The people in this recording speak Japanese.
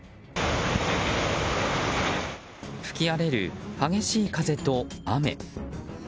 吹き荒れる激しい風と雨。